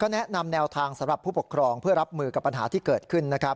แนะนำแนวทางสำหรับผู้ปกครองเพื่อรับมือกับปัญหาที่เกิดขึ้นนะครับ